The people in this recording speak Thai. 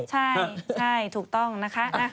ใช่ถูกต้องนะคะ